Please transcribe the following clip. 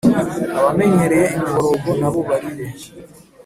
abamenyereye imiborogo nabo barire.